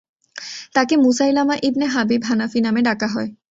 তাকে Musaylimah ibn Habib Hanafi নামে ডাকা হয়।